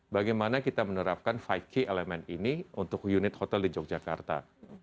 bagaimana kita menerapkan five key elements ini untuk unit hotel di yogyakarta